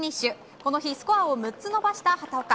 この日スコアを６つ伸ばした畑岡。